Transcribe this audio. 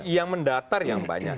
yang mendatar yang banyak